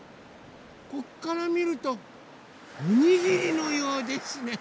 こっからみるとおにぎりのようですね。